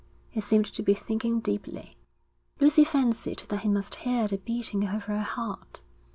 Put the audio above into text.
He seemed to be thinking deeply. Lucy fancied that he must hear the beating of her heart.